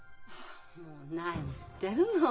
もう何言ってるの。